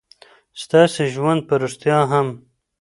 ستاسې ژوند په رښتيا هم